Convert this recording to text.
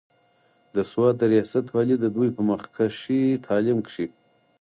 د سوات د رياست والي د دوي پۀ مخکښې تعليم کښې